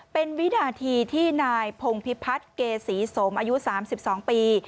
เป็นวินาทีที่นายพงพิพัฒน์เกษีสมอายุ๓๒ปี